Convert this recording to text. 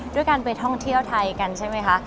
ด้วยการไปท่องเที่ยวไทยกันใช่ไหมคะ